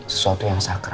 sesuatu yang sakral